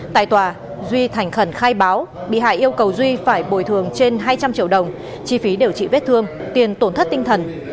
tại tòa duy thành khẩn khai báo bị hại yêu cầu duy phải bồi thường trên hai trăm linh triệu đồng chi phí điều trị vết thương tiền tổn thất tinh thần